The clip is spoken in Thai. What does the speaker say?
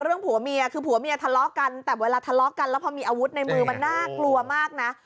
ผัวเมียคือผัวเมียทะเลาะกันแต่เวลาทะเลาะกันแล้วพอมีอาวุธในมือมันน่ากลัวมากนะ